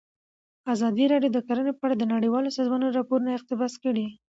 ازادي راډیو د کرهنه په اړه د نړیوالو سازمانونو راپورونه اقتباس کړي.